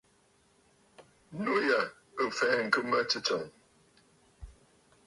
Nû yà ɨ̀ fɛ̀ɛ̀ŋkə̀ mə̂ tsɨ̂tsɔ̀ŋə̀.